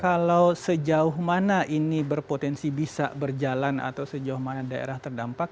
kalau sejauh mana ini berpotensi bisa berjalan atau sejauh mana daerah terdampak